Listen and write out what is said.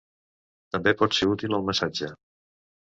També pot ser útil el massatge.